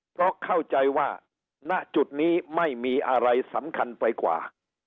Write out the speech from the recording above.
เพราะเข้าใจว่าณจุดนี้ไม่มีอะไรสำคัญไปกว่า